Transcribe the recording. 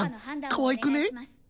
かわいくね？